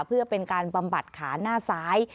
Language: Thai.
เพื่อเป็นการบำบัดขาหน้าซ้าย